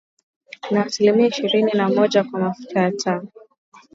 Na asilimia ishirini na moja kwa mafuta ya taa.